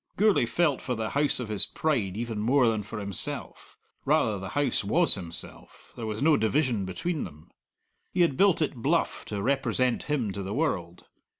Gourlay felt for the house of his pride even more than for himself rather the house was himself; there was no division between them. He had built it bluff to represent him to the world.